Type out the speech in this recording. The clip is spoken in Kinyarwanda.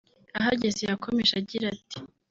Ahageze yakomeje agira ati